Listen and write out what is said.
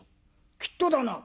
きっとだな？」。